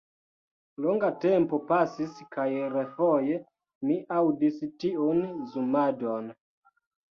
Longa tempo pasis kaj refoje mi aŭdis tiun zumadon.